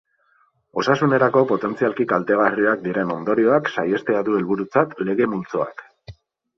Osasunerako potentzialki kaltegarriak diren ondorioak saihestea du helburutzat lege multzoak.